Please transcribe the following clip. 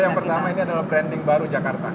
yang pertama ini adalah branding baru jakarta